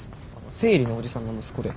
生理のおじさんの息子で。